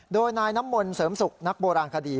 โดยนายน้ำมนต์เสริมสุขนักโบราณคดี